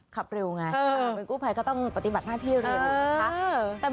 ขับเร็วไงเป็นกู้ภัยก็ต้องปฏิบัติหน้าที่เร็วนะคะ